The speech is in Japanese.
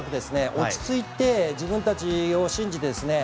落ち着いて自分たちを信じてですね。